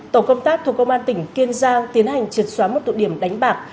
tổ công tác thuộc công an tỉnh kiên giang tiến hành triệt xóa một tụ điểm đánh bạc